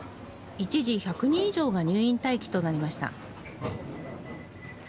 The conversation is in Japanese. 一時、１００人以上が入院待機となりました。